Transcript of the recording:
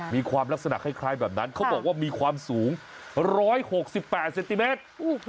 มีความลักษณะคล้ายแบบนั้นเขาบอกว่ามีความสูง๑๖๘เซนติเมตร